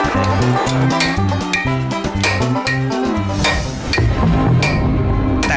แต่ว่า